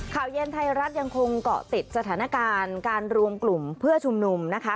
ข่าวเย็นไทยรัฐยังคงเกาะติดสถานการณ์การรวมกลุ่มเพื่อชุมนุมนะคะ